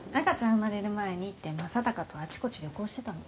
産まれる前にって正隆とあちこち旅行してたの。